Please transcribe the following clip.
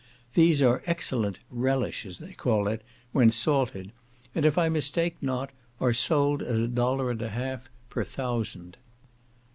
These are excellent "relish," as they call it, when salted, and, if I mistake not, are sold at a dollar and a half per thousand.